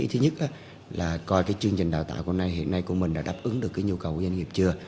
thứ nhất là coi chương trình đào tạo của mình hiện nay đã đáp ứng được nhu cầu của doanh nghiệp chưa